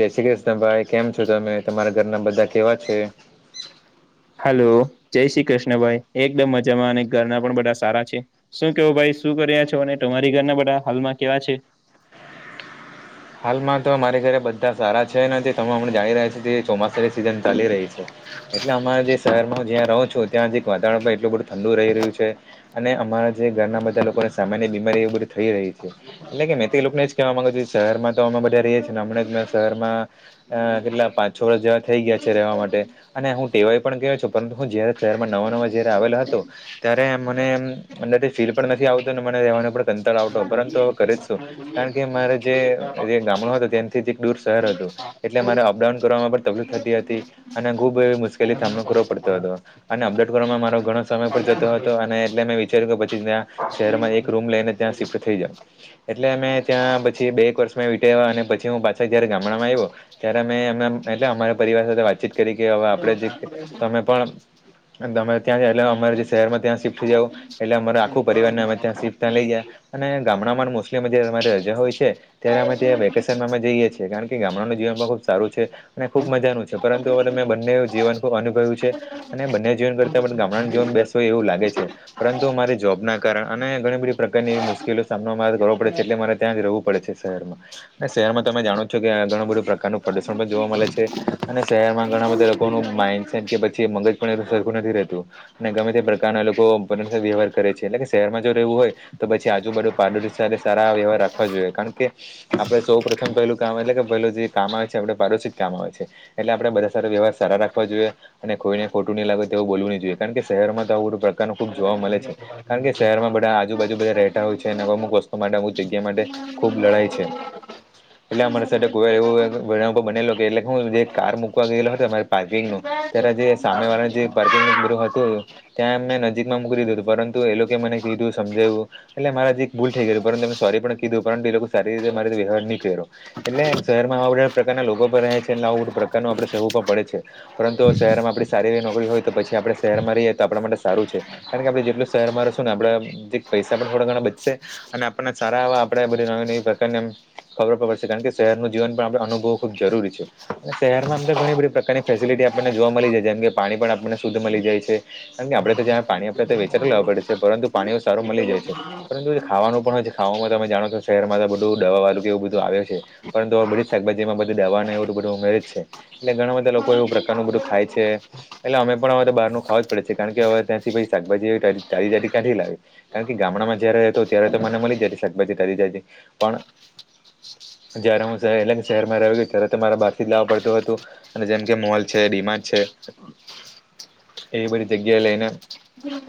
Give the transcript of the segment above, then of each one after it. જેય શ્રી ક્રિષ્ન ભાઈ કેમ છો તમે તમારા ઘરના બધા કેવા છે? હાલો જેય શી કેષ્ન ભાઈ એકદમ મજામાં અને ઘરના પણ બધા સારા છે. શું કેવો ભાઈ શું કર્યા છો અને તમારી ઘરના બધા હાલમાં કેવા છે. હાલમાં તો અમારી ઘરે બધ્ધા સારા છે ને તે તમામ ને જાળે જાય છે તે ચોમાસરે સિઝન ચાલી રહી છે. એટલે અમાર જે શહેરમાં જ્યાં રહો છો ત્યાં જીત વાતાવણ બ એટલું બધું ઠંડુ રયુ રયુ છે. અને અમાર જે ગ્રાનના બધા લોકોએ સામાન્યે બીમારી એવુ બધુ થઈ રહી છે. ટલે કે મેં તે એલોકોને જ કેવા માંગુ જે છ તેહેરમાં તો અમે બધ્યા રેએ છીએ ને હમણે જ મે શરમાં અ-અ-અ કેટલા પાંચ છ વરસ જેવા થેઈ ગીયા છે રેવા માટે અને હું ટેવાયો પણ કયો છું પરંતુ હું જયારે શેરમાં નવો નવો જયારે આવેલા હતો ત્યાર એમ મનેમ અંદર ટીસ ફીલ પણ નથી આવતો ને મને રેવાના પળ કંટાળો આવતો પરંતુ કરે જ શું કાણ કે મારે જ જેઅ-અ-અ જે ગામણો હતો તેનથી જ એક દૂર શહેર હતું એટલે મારે અપડાઉન કરવામાં પણ તકલીફ થતી હતી. અને ગુબ એવ મુશ્કેલી સામનો કરવો પડતો હતો અને આમડેટ કરવામાં મારો ઘણા સમય પર જતો હતો અને એટલે મે વિ છેળળું પછી મેં આ શેરમાં એક રૂમ લેઈને ત્યાં શિફ્ટ થઈ જ્યાં એટલે એમ મેં ત્યાં બ છેક બેક વર્ષમાં વીતાયવ અને પછી ઉ પાછા જ્યાંરે ગામણામાં આવ્યો. ત્યારે મે એમ એમ એટલે અમારા પરિવાર સાથે વાતચીત કરી કે અવે આપડે જે તમે પણ અન તમે ત્યાં સે એટલે અમારે જે શેરમાં ત્યાં શિફ્ટ થઈ જાઓ. એટલે અમારા આખું પરિવારને અમે ત્યાં શિફ્ટ ત્યાં લેઈ ગ્યા. અને ગામણામાં ત મોસ્ટલી અમે જે અહેરમાં રેય છે હોય છે ત્યારે અમે ત્યાં વેકેશનમાં અમે જઈએ છે કારણ ઈ ગામણાનું જીવન પણ ખુબ સારું છે અને ખુબ મજાનું છે પરંતુ અવે ત મેં બંનેવ જીવન ખૂબ અનુભવ્યું છે. અને બંને જીવન કરતા પણ ગામણાનું જીવન બેસ હોય એવું લાગે છે. પરંતુ મારે જોબના કારણ અને ઘણી બધી પ્રકારનીવ મુશ્કેલીવ સામનો માર કરવો પડે છે એટલે મારે ત્યાં જ રેવું પડે છે શેરમાં એ શેહેરમાં તમે જાણો જ છો કે આ ઘણો બધો પ્રકારનો પ્રદુષણ બધ જોવા મલે છે અને શેહેરમાં ઘણા બધા કોનો માઇન્ડસેટ કે પછી મંગજ પણ એનું સરખું નથી રેહતું. અને ગમે તે પ્રકારના લોકો પો વ્યવહાર કરે છે એટલે કે શહેરમાં જો રહેવું હોય. તો પછી આજુબાજુ પડોશી સાથે સારા વ્યવહાર રાખવા જોઈએ કારણ કે આપડણે સૌ પ્રથમ પહેલું કામ એટલે કે પેલું જે કામ આવે છે આપડે પડોશી જ કામ આવે છે. એટલે આપણેે બધા હારે વ્યવહાર સારા રાખવા જોઈએ અને કોઈને ખોટું નહીલાગે તેવું બોલુંવુ નહીં જોએ કારણ કે શહેરમાં તો આવું બધું પ્રકાર નું ખૂબ જોવા મળે છે. કારણ કે શહેરમાં બધા આજુબાજુ બધા રહેતા હોય છે અમુક વસ્તુ માટે અમુક જગ્યા માટે ખૂબ લડાઈ છે [inaudible] એટલે અમારી સાથે કોઈ વાર એવું બનાવ બનેલો કે એટલે હું જે કાર મૂકવા ગયેલો હતોમારી પાર્કિંગનું ત્યારે જે સામે વાળા જે પાર્કિંગ ન બધું હતું ત્યાં મેં નજીક માં મૂકી દીધું હતું પરંતુ એ લોકો મને કીધું સમજાવ્યું એટલે મારા જે એક ભૂલ થઈ ગયું પરંતુ મે સોરી પણ કીધું પરંતુ લોકો સારી રીતે મારે વ્યવહાર નહીં કર રહ્યો એટલે શહેરમાં આવા બધા પ્રકારના લોકો પણ રહે છેઆવું બધા પ્રકારનું આપડે સહુ પડે છે પરંતુ શહેરમાં આપડી સારી એવી નોકરી હોય તો પછી આપણે શહેરમાં રહીએ તો આપણા માટે સારું છે કારણ કે આપડણે જેટલું શહેરમાં રહીશું ને આપ જે પૈસા પણ થોડા ઘણા બચશે અને આપણ ને સારા એવા આપણે બધી નવી નવી પ્રકારની એમ ખબર પડશે કારણ કે શહેરનું જીવન પણ આપણે અનુભવું ખૂબ જરૂરી છે અને શહેરમાં આમ તો ઘણી બધી પ્રકારની ફેસિલિટી આપણને જોવા મળી જાય છે જેમ કે પાણી પણ આપણને શુદ્ધ મળી જાય છે કેમ કે આપડે તો જે પાણી આપડે તો વેચાતું લાવું પડે છે પરંતુ પાણી સારું મળી જાય છે પરંતુ જે ખાવાનું પણ હોય છે ખાવામાં તમે જાણો છ તો શહેરમાં તો બધું દવા વાલું કે એવું બધું આવે છે પરંતુ અવે બધી શાકભાજીમાં બધી દાવા નેએવું બધું ઉમેરે જ છે એટલે ઘણા બધા લોકો એવું પ્રકારનું બધું ખાય છે એટલે અમે પણ હવે તો બહારનું ખાવવા જ પડે છે કારણ કે હવે ત્યાંથી ભી શાકભાજી [unintelligible] ક્યાંથી લાવે કારણ કે ગામડામાં જયારે રહેતો ત્યારે તો મને મળી જાયતી શાકભાજી [unintelligible] જયારે હું એટલે શહેરમાં રહેવા ગયો ત્યારે તમારે બહારથી જ લાવવા પડતું હતું અને જેમ કે મોલ છે ડીમાર્ટ છે એવી બધી જગ્યાએ લઈને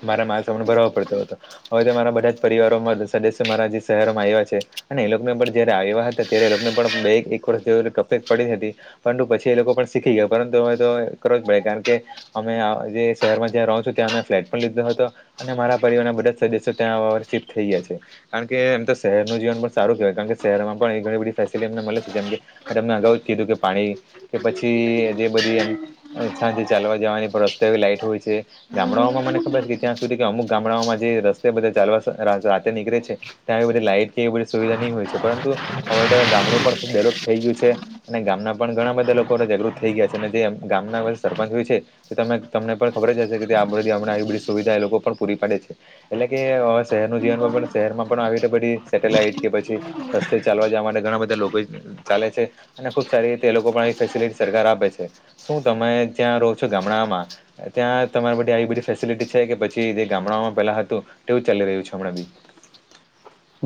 મારા માલસામાને ભરવો પડતો હતો હવે તો મારા બધા જ પરિવારોમાં સદસ્ય મારા જે શહેરોમાં આવ્યા છે અને એ લોકોને પણ જ્યારે આવ્યા હતા ત્યારે એ લોકોને પણ બે એક વર્ષ જે તકલીફ પડી હતી પરંતુ પછી એ લોકો પણ શીખી ગયા પરંતુ અવે તો કરો જ પડે કારણ કે અમે જે શહેરમાં જ્યાં રહુ છું ત્યાં અમે ફ્લેટ પણ લીધો હતો અને મારા પરિવારના બધા જ સદસ્યો [unintelligible] થઈ ગયા છે કારણ કે એમ તો શહેરનું જીવન પણ સારું કહેવાય કારણ કે શહેરમાં પણ એ ઘણી બધી ફેસિલિટી અમને મળે છે જેમ કે તમને અગાઉ જ કીધું કે પાણી કે પછી જે બધી એમ સાંજે ચાલવા જવાની પણ રસ્તા એવી લાઈટ હોય છે ગામડાઓમાં મને ખબર છે કે ત્યાં સુધી કે અમુક ગામડાઓમાં જે રસ્તે બધા ચાલવા રાતે રાતે નીકળે છે ત્યાં આવી બધી લાઈટ કે એવી બધી સુવિધા નહીં હોય છે પરંતું હવે તો ગામડું પણ ખૂબ ડેવલોપ થઈ ગયું છે અને ગામના પણ ઘણા બધા લોકો જાગૃત થઈ ગયા છે અને જે ગામના સરપંચ હોય છે તમે તમને પણ ખબર જ હશે કે હમણાં આવી બધી સુવિધા એ લોકો પણ પૂરી પાડે છે એટલે કે અ શહેર નું જીવન પણ શહેરમાં પણ આવી તો બધી સેટેલાઈટ કે પછી રસ્તે ચાલવા જવા માટે ઘણા બધા લોકો ચાલે છે અને ખુબ સારી રીતે એ લોકો પણ આવી ફેસિલિટી સરકાર આપે છે શું તમે ત્યાં રહો છો ગામડામાં ત્યાં તમારા બધી આવી બધી ફેસિલિટી છે કે પછી જે ગામડાઓમાં પેલા હતું તેવું ચાલી રહ્યું છે હમણાં બી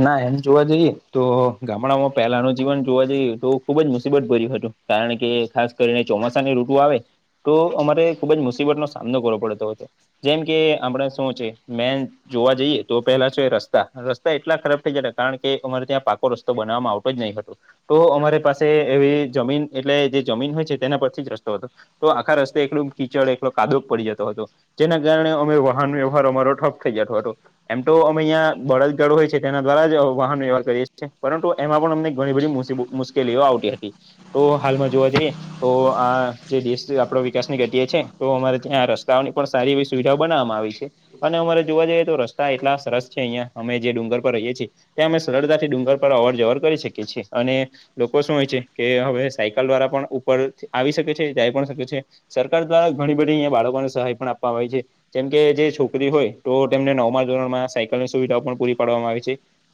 ના એમ જોવા જઈએ તો ગામડામાં પહેલાનું જીવન જોવા જઈએ તો ખુબ જ મુસીબત ભર્યું હતું કારણ કે ખાસ કરીને ચોમાસાની ઋતુ આવે તો અમારે ખુબ જ મુસીબતનો સામનો કરવો પડતો હતો જેમ કે આપણેે શું છે મેન જોવા જઈએ તો પેલા છે રસ્તા રસ્તા એટલા ખરાબ થઈ ગયા તા કારણ કે અમારે ત્યાં પાકો રસ્તો બનાવામાં આવતો જ નહીં હતો તો અમારે પાસે એવી જમીન એટલે જે જમીન હોય છે તેના પરથી જ રસ્તો હતો તો આખા રસ્તે એકલું કીચડ એકલો કાદવ પડી જતો હતો જેના કારણે અમે વાહન વ્યવહાર અમારો ઠપ થઈ જતો હતો એમ તો અમે અહં બળદ ગાડું હોય છે તેના દ્વારા જ વાહન વ્યવહાર કરીએ છીએ પરંતુ એમાં પણ અમને ઘણી બધી મુશી મુશ્કેલીઓ આવતી હતી તો હાલમાં જોવા જઈએ તો આ જે દેશ આપડ વિકાસની ઘટીએ છે તો અમારે ત્યાં રસ્તાઓની પણ સારી એવી સુવિધાઓ બનાવામાં આવી છે અને અમારે જોવા જઈએ તો રસ્તા એટલા સરસ છે અહિયાં અમે જે ડુંગર રહીએ છીએ અમે સરળતા થી ડુંગર પર અવર જવર કરી શકીએ છીએ અને લોકો શું હોય છે કે હવે સાયકલ દ્વારા પણ ઉપર આવી શકે છે જાય પણ શકે છે સરકાર દ્વારા ઘણી બધી અહીયા બાળકોને સહાય પણ આપવામાં હોય છે જેમ કે જે છોકરી હોય તો તેમને નોર્મલ ધોરણમાં સાયકલની સુવિધાઓ પણ પૂરી પાડવામાં આવે છે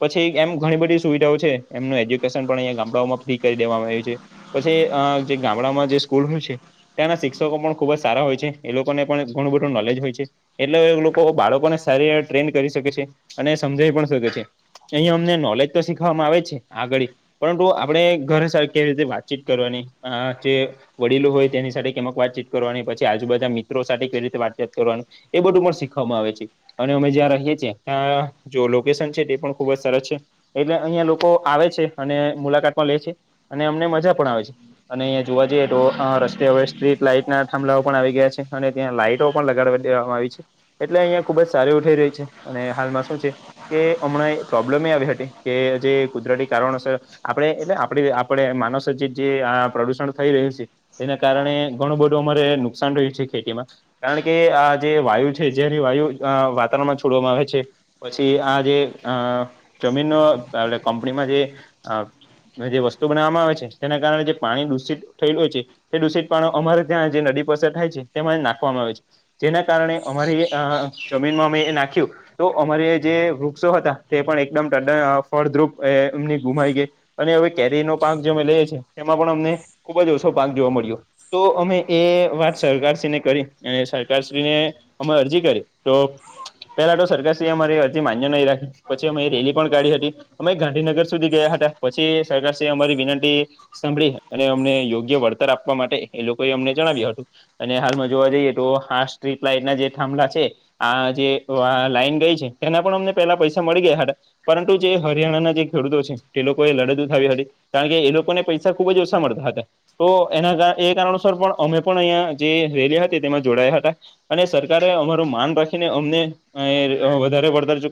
પછી એમ ઘણી બધી સુવિધાઓ છે એમનું એજ્યુકેશન પણ અંયા ગામડાઓમાં ફ્રી કરી દેવામાં આવ્યું છે પછી જે ગામડામાં જે સ્કૂલનું છે ત્યાંના શિક્ષકો પણ ખુબ જ સારા હોય છે એ લોકોને પણ ઘણું બધું નોલેજ હોય છે એટલે લોકો બાળકોને સારી ટ્રેન કરી શકે છે અને સમજાઈ પણ શકે છે અહીં અમને નોલેજ તો શીખવામાં આવે છે આગળી પરંતુ આપણે ઘરે સ કેવી રીતે વાતચીત કરવાની આ જે વડીલો હોય તેની સાથે કેમક વાતચીત કરવાની પછી આજુબાજુ મિત્રો સાથે કેવી રીતે વાતચીત કરવાની એ બધું પણ શીખવામાં આવે છે અને અમે જ્યાં રહીએ છીએ ત્યાં જો લોકેશન છે પણ ખુબ જ સરસ છે એટલે અહિયાં લોકો આવે છે અને મુલાકાત માં લે છે અને અમને મજા પણ આવે છે અને અહંયા જોવા જઈએ તો રસ્તે હવે સ્ટ્રીટ લાાઈટ ના થાંભલાઓ પણ આવી ગયા છે અને ત્યાં લાાઈટો પણ લગાડડી દેવામાં આવી છે એટલે અહિયાં ખુબ જ સારી ઉઠાઈ રહી છે અને હાલમાં શું છે કે હમણાં પ્રોબ્લેમ એ આવી હતી કે જે કુદરતી કારણોસર આપણે એટલે આપડી આપણે માનસ જે જે પ્રદુષણ થઈ રહ્યું છે તેના કારણે ઘણું બધું અમારે નુકસાન થય્યું છે ખેતીમાં કારણ કે આ જે વાયુ છે જેની વાયુ વાતાવરણમાં છોડવામાં આવે છે પછી આ જે અ જમીનનો એ કંપનીમાં જે જે વસ્તુ બનાવામાં આવે છે તેના કારણે જે પાણી દૂષિત થયેલું હોય છે તે દૂષિત પાણ અમારે ત્યાં જે નદી પાસે થાય છે તેમાં નાખવામાં આવે છે જેના કારણે અમારી જમીનમાં અમે એ નાખ્યું તો અમારે જે હતા તે પણ એકદમ ફળદ્રુપ એમની ગુમાઈ ગઈ અને હવે કેરી નો પાક જે અમે લઈએ છીએ તેમાં પણ અમને ખુબ જ ઓછો પાક જોવા મળ્યો તો અમે એ વાત સરકારશ્રીને કરી અને સરકારશ્રીને અમે અરજી કરી તો પેલા તો સરકારશ્રી અમારી અરજી ગ નહી રાખી પછી અમે રેલી પણ કાઢી હતી અમે ગાંધીનગર સુધી ગયા હતા પછી સરકાર શ્રી અમારી વિનંતી સાંભળી અને અમને યોગ્ય વળતર આપવા માટે એ લોકોએ અમને જણાવ્યું હતું અને હાલમાં જોવા જઈએ તો આા સ્ટ્રીટ લાઈટના જે થાંભલા છે આ જે લાઈન ગઈ છે એના પણ અમને પેલા પૈસા મળી ગયા પરંતુ જે હરિયાણાના જે ખેડૂતો છે તે લોકો એ લડત થાવી હતી કારણ કે એ લોકોને પૈસા ખુબ જ ઓછા મળતા હતા તો એના એ કારણોસર પણ અમે પણ અહીંયા જે રેલી હતી તેમાં જોડાયા હતા અને સરકારે અમારું માન રાખીને અમને વધારે પડત ચ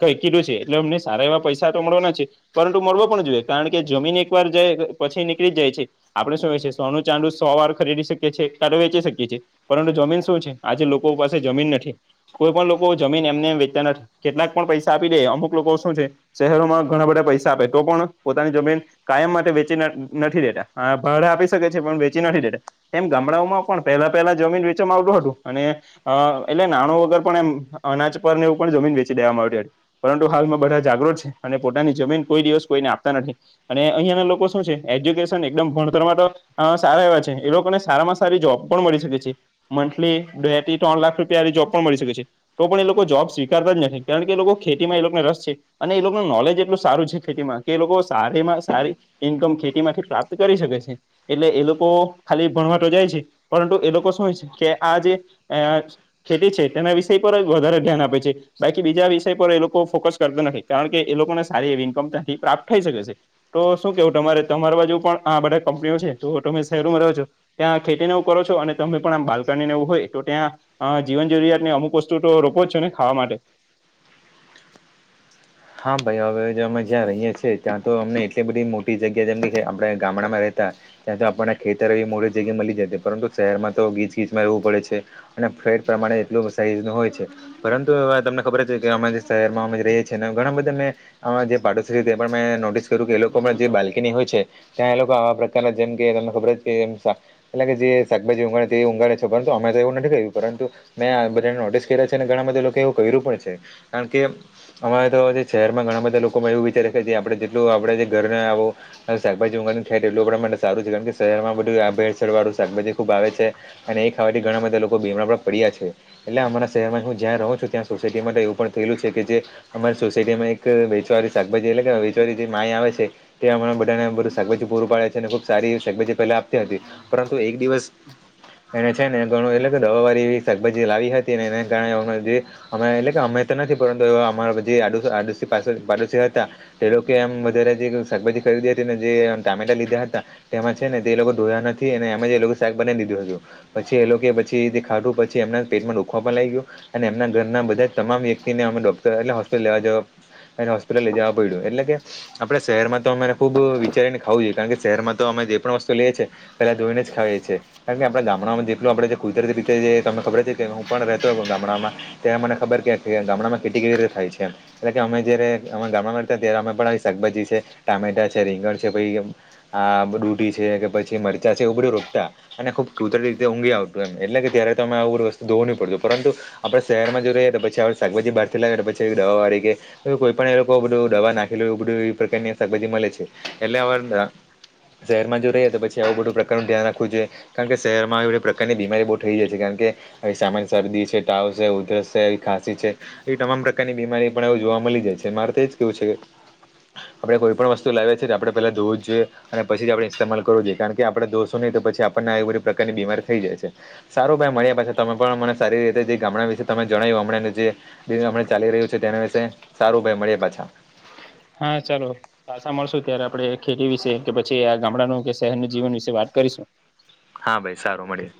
કઈ કીધું છે એટલે અમને સારા એવા પૈસા તો મળવાના છે પરંતુ મળવો પણ જોઈએ કારણ કે જમીન એકવાર જાય પછી નીકળી જ જાય છે આપણે શું હોએ છે સોનું ચાંદ સો વાર ખરીદી શકીએ છીએ કાતે વેચી શકીએ છીએ પરંતુ જમીન શું છે આજે લોકો પાસે જમીન નથી કોઈ પણ લોકો જમીન એમને એમ વેંચતા નથી કેટલાક પણ પૈસા આપી દે અમુક લોકો શું છે શહેરોમાં ઘણા બધા પૈસા આપે તો પણ પોતાની જમીન કાયમ માટે વેચી નથી દેતા હ ભાડા આપી શકે છે પણ વેચી નથી દેટા એમ ગામડાઓમાં પણ પહેલા પહેલા જમીન વેચમાં આવતુ હતું અને અ એટલે નાણું વગર પણ એમ અનાજ પર ને એવું પણ જમીન વેચી દેવામાં આવ પરંતુ હાલમાં બધા જાગૃત છે અને પોતાની જમીન કોઈ દિવસ કોઈને આપતા નથી અને અહિયાં ના લોકો શું છે એજ્યુકેશન એકદમ ભણતર માટે અ સારા એવા છે એ લોકોને સારામાં સારી જોબ પણ મળી શકે છે. મંથલી બે થી ત્રણ લાખ રૂપિયા જોબ પણ મળી શકે છે તો પણ એ લોકો લોકો જોબ સ્વીકારતા જ નથી કારણ કે એ લોકો ખેતી માં એ લોકોને રસ છે. અને એ લોકોનું નોલેજ એટલું સારું છે ખેતીમાં કે એ લોકો સારીમાં સારી ઇન્કમ ખેતી માંથી પ્રાપ્ત કરી શકે છે. એટલે એ લોકો ખાલી ભણવા તો જાય છે પરંતુ એ લોકો શું હોય છે કે આ જે ખેતી છે તેના વિષ પર જ વધારે ધ્યાન આપે છે. બાકી બીજા વિષય પર એ લોકો ફોકસ કરતા નથી કારણ કે એ લોકોને સારી એવી ઇન્કમ ત્યાંથી પ્રાપ્ત થઈ શકે છે. તો શું કેવું તમારે તમારી બાજુ પણ આ બધા કંપનીઓ છે તો તમે શહેરમાં રહો છો. ત્યાં ખેતી ને એવું કરો છો અને તમે પણ આમ બાલકા ને એવું હોય તો ત્યાં હ જીવન જરૂરિયાત ની અમુક વસ્તુ તો રોપો જ છો ને ખાવા માટે હા ભાઈ હવે અમે જ્યાં રહીએ છીએ ત્યાં તો અમને એટલી બધી મો ી જગ્યા જેમ કે આપણે ગામડામાં રહેતા ત્યાં તો આપણને ખેતર એ મોડી જગ્યાએ મળી જતી પરંતુ શહેરમાં તો ગીચ ગીચમાં રહેવું પડે છે. અને ફ્લેટ પ્રમાણે એટલું સાઈઝ નું હોય છે પરંતુ એ તમને ખબર છે કે અમે શહેરમાં અમે રહીએ છીએ ઘણા બધા મેં પાડોશી મેં નોટિસ કર્યું કે લોકો જે હોય છે ત્યાં એ લોકો આવા પ્રકારના જેમ કે તમને ખબર કે એટલે કે જે શાકભાજી ઊગાડે તે એ ઊગાડે છે પરંતુ અમે તો એવું નથી ગ્યું પરંતુ. મેં બધાને નોટિસ કર્યા છે અને ઘણા બધા લોકો એવું કર્યું પણ છે કારણ કે અમારે તો શહેરમાં ઘણા બધા લોકોમાં એવું વિચારે છે આપડણે જેટલું આપડે જે ઘર આવું હ શાકભાજી ઊાને ખાય તો એટું આપ માટે સારું છે કારણ કે શહેરમાં બધું આ ભેળસળ વાળું શાકભાજી ખુબ આવે છે. અને એ ખાવાથી ઘણા બધા લોકો ભીમણા પણ પડ્યા છે. એટલે અમારા શહેરમાં હું જ્યાં રહું છું ત્યાં સોસાયટી માટે એવું પણ થયેલું છે કે જે અમારી સોસાયટી માં એક વેચવારી શાકભાજી એટલે કે વેચવાળ જે માઈ આવે છે. તે હમણા બધાનેું શકભાજી પુરું પાડે છે. ખબ સારી શાકભાજી પહે આપતી હતી પરંતુ એક દિવસ એને છે ને ઘણું એટલે કે દવાળી એવી શાકભાજી લાવી હતી ને એને કારણે હું જે અમે એટલે કે અમે તો નથી પરંતુ અમા જે પાડોશી હતા. તે લોકો એમ વધારે જે શાકભાજી ખરીદી હતી ને જે ટામેટા લીધા હતા. તેમાં છે ને તે એ લોકો ધોયા નથી અને એમજ એ લોકો શાક બનાને દીધું હતું. પછી એ લોકો કે પછી ખાટું પછી એમના પેટમાં રોખવા પણ લાગ ગયું. અને એમના ઘરના બધા જ તમામ વ્યક્તિને અમે ડોક્ટર એટલે હોસ્પિટ લેવા જવા અ હ હોસ્િટલે જવા બય એટલે કે આપડણે શહેરમાં તો અરે ખુબ વિચારીને ખાવું જોઈએ કારણ કે શહેરમાં તો અમે જે પણ વસ્તુ લઈએ છીએ. પેલા ધોઈને જ ખાવએ છીએ કારણ કે આપણાડા ગામડામાં જેટલું આપણે કુતરતી પિતતરી તમ ખબર હતી કે હું પણ રહેતો હતો ગામડામાં ત્યાં મને ખબર કે ગામડામાં કેટલી કેવી રીતે થાય છે. કેમ એટલે કે અમે જયારે અમે ગરમાંતા ત્યારે અમે પણ આવી શાકભાજી છે. ટામેટા છે રીંગણ છે પ આ ડૂઢી છે કે પછી મરચાં છે એવ બડ રોકતા અને ખુબ કુતરી રીતે ઊંઘ આવતું એમ એટલે કે ત્યારે તમે આવું બધી વસ્તુોવ ન પડતું પરંતુ આપણે શહેરમાં જોઈએ તો પછી શકભાજી બહારથી લાગે તો પછી દવા વાળી કે કોઈ પણ એ લોકો બધું દવા નાખે બધું એ પ્રકાર ની શાકભાજી મળે છે. એટલે અવાર શહેરમાં જો રહીએ તો પછી આવું બધું પ્રકારનું ધ્યાન રાખવું જોઈએ કારણ કે શહેરમાં એ પ્રકારની બીમારી બહુ થઈ જાય છે કારણ કે સામાન્ય શરદી છે તાવ છે ઉધરસ છે ખાંસી છે એ તમામ પ્ર કારની બીમારી પણ એવું જોવા મળી જાય છે મારે તોજ કેવું છે કે આપણે કોઈ પણ વસ્તુ લાવીએ છીએ આપણે પેલા ધોવુ જ જોઈએ. અને પછી જ આપણે ઇસ્તેમાલ કરવો જોઈએ કારણ કે આપણે ધોસુ નહીં તો પછી આપણને એ બધી પ્રકારની બીમાર થઈ જાય છે. સારું ભાઈ મળ્યા પાછી તમે પણ મને સારી રીતે જે ગામડાં વિશે તમે જણાવ્યું હમણાંને જેમ ચાલી રહ્યું છે તેના વિશે સારું ભાઈ મળીએ પાછા હા ચાલો પાછા મળશું ત્યારે આપણે ખેતી વિશે કે પછી આ ગામડાનું કે શહેરનું જીવન વિશે વાત કરીશું. હા ભાઈ સારું મળીએ.